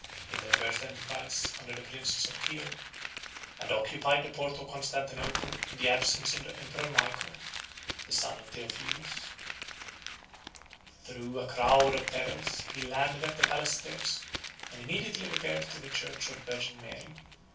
In their first enterprise 59 under the princes of Kiow, they passed without opposition, and occupied the port of Constantinople in the absence of the emperor Michael, the son of Theophilus. Through a crowd of perils, he landed at the palace stairs, and immediately repaired to a church of the Virgin Mary.